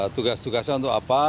tugas tugasnya untuk apa